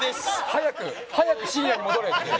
早く早く深夜に戻れって。